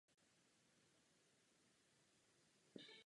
Je třeba harmonizovat věkovou hranici pro sexuálně motivované trestné činy.